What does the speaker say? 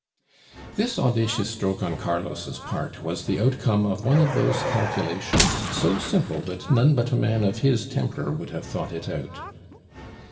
This audacious stroke on Carlos' part was the outcome of one of those calculations, so simple that none but a man of his temper would have thought it out.